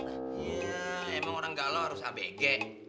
emang orang galau harus abg